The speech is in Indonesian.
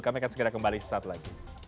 kami akan segera kembali saat lagi